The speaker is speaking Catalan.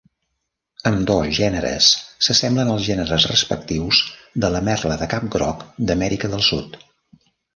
Ambdós gèneres s'assemblen als gèneres respectius de la merla de cap groc d'Amèrica del Sud.